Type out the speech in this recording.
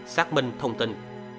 xác minh thông tin